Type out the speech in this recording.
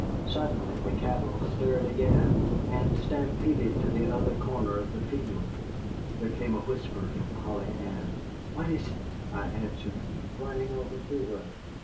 Suddenly the cattle stirred again, and stampeded to the other corner of the field. There came a whisper from Polly Ann. "What is it?" I answered, running over to her.